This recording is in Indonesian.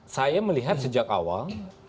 saya melihat sejak awal